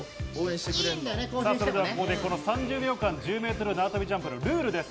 ここで３０秒間１０ｍ縄跳びジャンプのルールです。